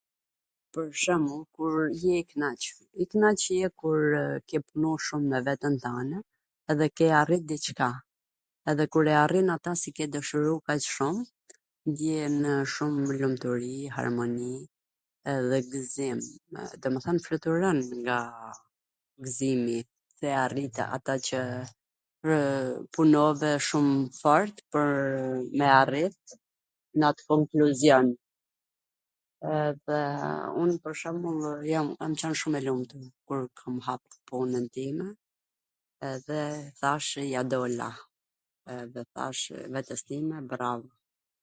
Pwr shwmbull, kur je i knaq? I knaq je kur ke punu shum me veten tane edhe ke arrit diCka, edhe kur e arrin atw si ke dwshwru kaq shum, ndjenw lumturi, harmoni, edhe gwzim, domethwn fluturon nga gzimi, dhe arrite ata qw punove shum fort pwr me arrit n at konkluzion, edhe un pwr shwmbullw jam, kam qwn shum e lumtur kur kam hap punwn time, edhe thashw ja dola, edhe thashw vetes time bravo.